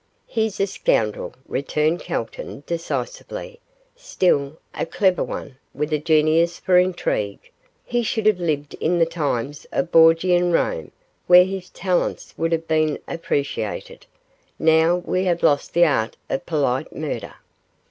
'He's a scoundrel,' returned Calton, decisively; 'still, a clever one, with a genius for intrigue; he should have lived in the times of Borgian Rome, where his talents would have been appreciated; now we have lost the art of polite murder.